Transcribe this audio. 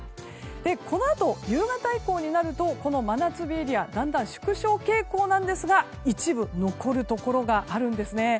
このあと、夕方以降になるとこの真夏日エリアだんだん縮小傾向なんですが一部残るところがあるんですね。